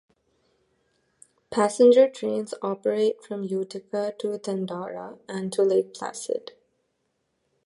Passenger trains operate from Utica to Thendara and to Lake Placid.